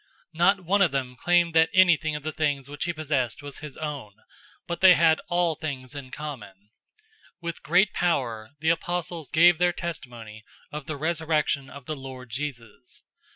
Not one of them claimed that anything of the things which he possessed was his own, but they had all things in common. 004:033 With great power, the apostles gave their testimony of the resurrection of the Lord Jesus.